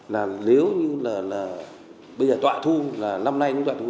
nếu như là bây giờ tọa thu là năm nay cũng tọa thu